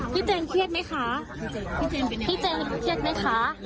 พี่เจนเครียดมั้ยคะพี่เจนเครียดมั้ยคะ